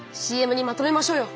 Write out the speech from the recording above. ＣＭにまとめましょうよ。